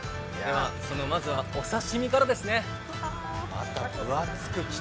まずはお刺身からですね。